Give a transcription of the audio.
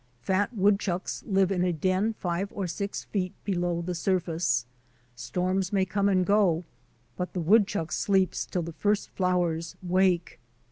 Fat wood chucks live in a den five or six feet below the sur face. Storms may come and go, but the wood chuck sleeps till the first flowers wake.